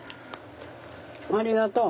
ありがとう。